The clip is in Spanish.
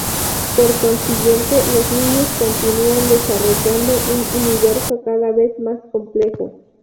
Por consiguiente, los niños continúan desarrollando un universo cada vez más complejo.